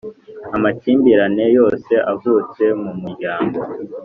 amakimbirane yose avutse mu muryango